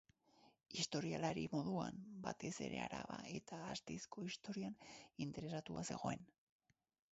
Historialari moduan, batez ere Araba eta Gasteizko historian interesatuta zegoen.